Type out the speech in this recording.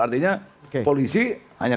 artinya polisi hanya